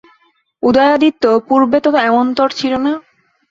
উদয়াদিত্য পূর্বে তো এমনতর ছিল না।